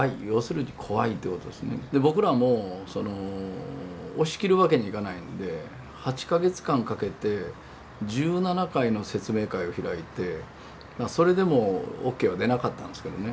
僕らも押し切るわけにいかないので８か月間かけて１７回の説明会を開いてそれでもＯＫは出なかったんですけどね。